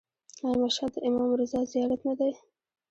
آیا مشهد د امام رضا زیارت نه دی؟